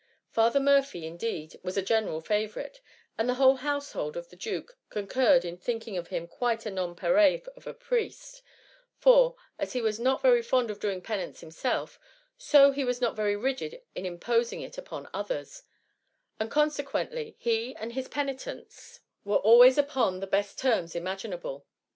Father Murphy, in deed, was a general favourite, and the whole household of the duke concurred in thinking him quite a nonpareil of a priest; for, as he was not very fond of doing penance himself, so he was not very rigid in imposing it upon others, and consequently he and his penitents 156 THTK M0MMr. were always upon the best terms imaginafile.